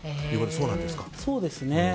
そうですね。